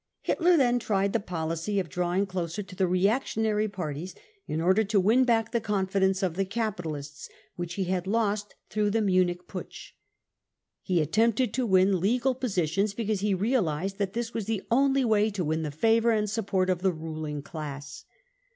| Hitler then tried the policy of drawing closer to the re J actionary parties in order to win back the confidence of the | capitalists, which he had lost through the Munich Putsch . j He attempted to win legal positions, because he realised |. that this was the only way to win the favour and support of the ruling class.